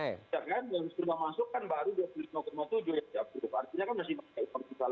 sejak kan yang sudah masuk kan baru dua puluh lima tujuh triliun